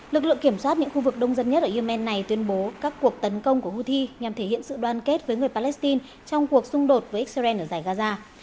lực lượng kiểm soát những khu vực đông dân nhất ở yemen này tuyên bố các cuộc tấn công của houthi nhằm thể hiện sự đoàn kết với người palestine trong cuộc xung đột với israel ở giải gaza